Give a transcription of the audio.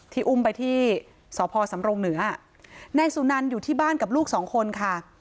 อุ้มไปที่สพสำรงเหนือนายสุนันอยู่ที่บ้านกับลูกสองคนค่ะ